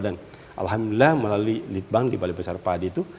dan alhamdulillah melalui litbang di balai besar padi itu